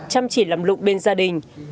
chăm chỉ làm lụng bên gia đình